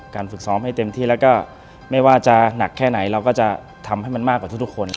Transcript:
ฝึกซ้อมให้เต็มที่แล้วก็ไม่ว่าจะหนักแค่ไหนเราก็จะทำให้มันมากกว่าทุกคน